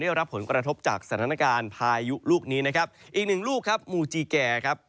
ได้รับผลกระทบจากสถานการณ์พายุลูกนี้นะครับอีกหนึ่งลูกครับมูจีแก่ครับ